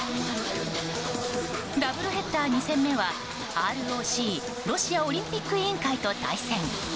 ダブルヘッダー２戦目はＲＯＣ・ロシアオリンピック委員会と対戦。